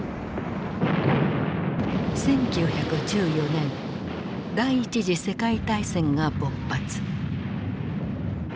１９１４年第一次世界大戦が勃発。